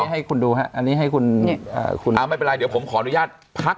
ให้คุณดูฮะอันนี้ให้คุณคุณอ่าไม่เป็นไรเดี๋ยวผมขออนุญาตพัก